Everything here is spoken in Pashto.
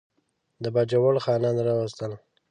د باجوړ خانان راوستل.